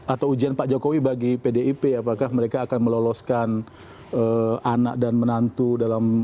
atau ujian pak jokowi bagi pdip apakah mereka akan meloloskan anak dan menantu dalam